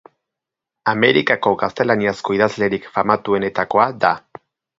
Amerikako gaztelaniazko idazlerik famatuenetakoa da.